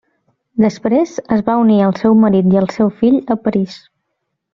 Després es va unir al seu marit i al seu fill a París.